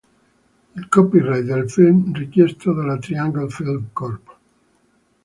Il copyright del film, richiesto dalla Triangle Film Corp.